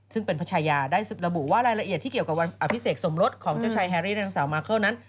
ซึ่งเป็นพัชยาได้ระบุว่ารายละเอียดที่เกี่ยวกับวันอภิเษกสมรสของเจ้าชายแฮรี่นางสาวมาเคิลนั้น